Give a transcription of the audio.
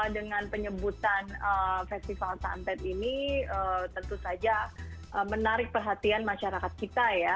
dengan penyebutan festival santet ini tentu saja menarik perhatian masyarakat kita ya